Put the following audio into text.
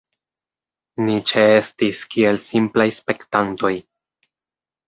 Ni ĉeestis kiel simplaj spektantoj.